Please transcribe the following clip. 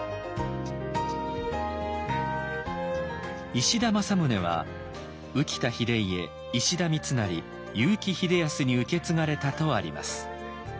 「石田正宗」は宇喜多秀家石田三成結城秀康に受け継がれたとあります。